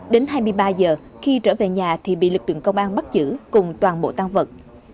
đến hai mươi ba giờ khi trở về nhà thì bị lực lượng công an bắt giữ cùng toàn bộ tan vật